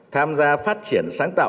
tham gia phát triển sáng tạo